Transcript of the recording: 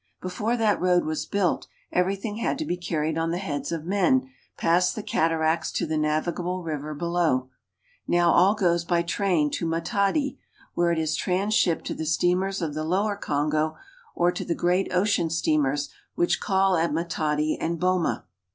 Before that road was built everything had to be carried on the heads of men past the cataracts to the navigable river below. Now all goes by train to Matadi, where it is transshipped to the steamers of the lower Kongo or to the great ocean steamers which call at Matadi and Boma.